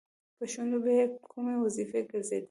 په شونډو به یې کومې وظیفې ګرځېدلې؟